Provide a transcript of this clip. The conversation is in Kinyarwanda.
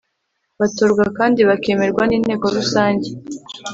Batorwa kandi bakemerwa n’Inteko rusange